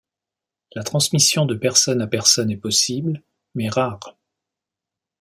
La transmission de personne à personne est possible, mais rare.